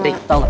eh rih tau gak